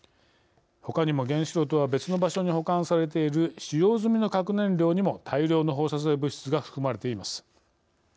ほかにも原子炉とは別の場所に保管されている使用済みの核燃料にも大量の放射性物質が含まれています。